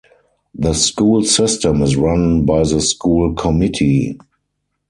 The school system is run by the School Committee.